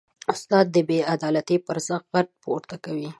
استاد د بېعدالتۍ پر ضد غږ پورته کوي.